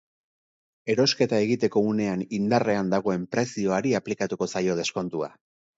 Erosketa egiteko unean indarrean dagoen prezioari aplikatuko zaio deskontua.